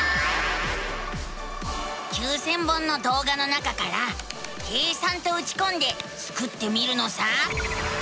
９，０００本のどうがの中から「計算」とうちこんでスクってみるのさ。